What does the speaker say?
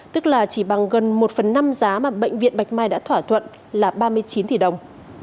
tức là chỉ bằng gần một phần năm giá mà bệnh viện bạch mai đã thỏa thuận là ba mươi chín tỷ đồng